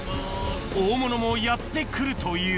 大物もやって来るという